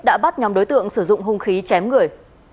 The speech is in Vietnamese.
đã bắt nhóm đối tượng sử dụng hung khí chém người